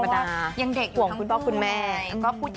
เพราะว่ายังเด็กอยู่ทั้งคู่เลย